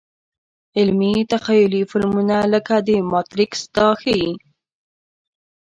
علمي – تخیلي فلمونه لکه ماتریکس دا ښيي.